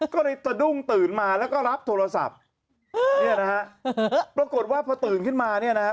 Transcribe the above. ก็เลยสะดุ้งตื่นมาแล้วก็รับโทรศัพท์เนี่ยนะฮะปรากฏว่าพอตื่นขึ้นมาเนี่ยนะครับ